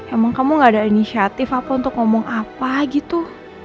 emang kamu gak ada inisiatif apa untuk ngomong apa gitu